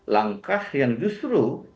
langkah yang justru